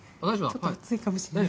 ちょっと熱いかもしれない。